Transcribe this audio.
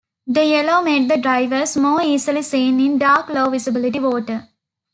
The yellow made the divers more easily seen in dark low-visibility water.